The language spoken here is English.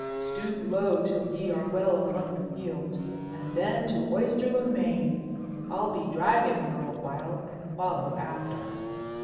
Stoop low till ye are well among the fields, and then to Oyster le Main! I'll be Dragon for a while, and follow after."